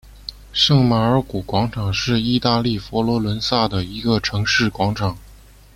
圣马尔谷广场是意大利佛罗伦萨的一个城市广场。